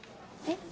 えっ？